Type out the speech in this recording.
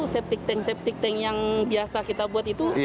septic tank septic tank yang biasa kita buat itu